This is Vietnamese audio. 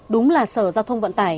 đúng là sở giao thông vận tải